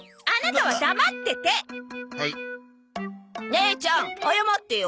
姉ちゃん謝ってよ。